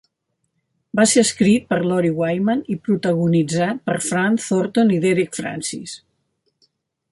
Va ser escrit per Lawrie Wyman i protagonitzat per Fran Thornton i Derek Francis.